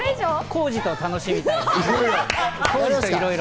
浩次と楽しみたい。